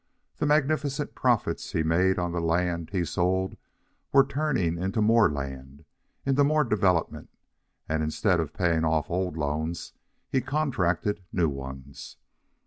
The magnificent profits he made on the land he sold were turned into more land, into more development; and instead of paying off old loans, he contracted new ones.